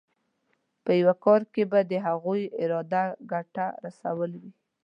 په یو کار کې به د هغوی اراده ګټه رسول وي.